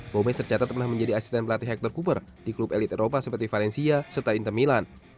gomez tercatat pernah menjadi asisten pelatih hector cooper di klub elit eropa seperti valencia serta inter milan